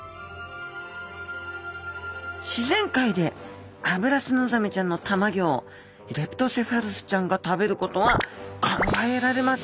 自然界でアブラツノザメちゃんのたまギョをレプトセファルスちゃんが食べることは考えられません。